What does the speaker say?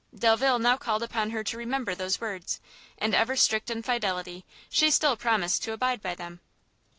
Delvile now called upon her to remember those words, and ever strict in fidelity, she still promised to abide by them.